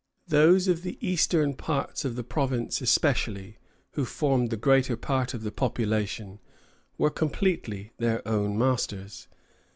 Those of the eastern parts of the province especially, who formed the greater part of the population, were completely their own masters.